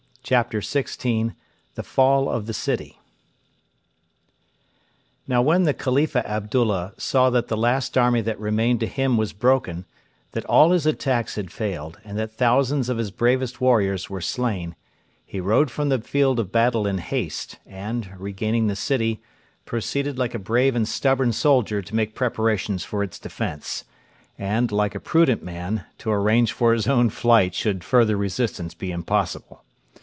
CHAPTER XVI: THE FALL OF THE CITY Now, when the Khalifa Abdullah saw that the last army that remained to him was broken, that all his attacks had failed, and that thousands of his bravest warriors were slain, he rode from the field of battle in haste, and, regaining the city, proceeded like a brave and stubborn soldier to make preparations for its defence, and, like a prudent man, to arrange for his own flight should further resistance be impossible.